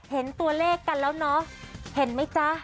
เห็นตัวเลขกันแล้วเนาะเห็นไหมจ๊ะ